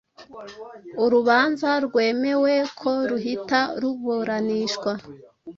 Urubanza rwemewe ko ruhita ruburanishwa